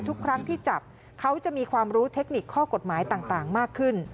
ทุกครั้งที่จับเขาจะมีความรู้เทคนิคข้อกฎหมายต่างมากขึ้น